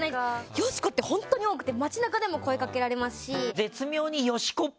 「よし子」って本当に多くて街なかでも声かけられますし。